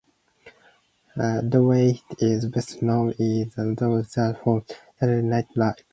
Downey is best known as a long-time writer for "Saturday Night Live".